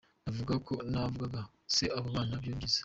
navugaga se abo bana byo ni byiza.